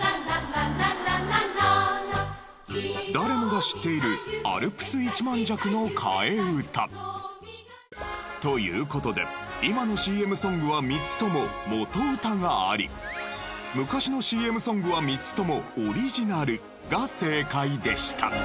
誰もが知っているという事で今のＣＭソングは３つとも元歌があり昔のＣＭソングは３つともオリジナルが正解でした。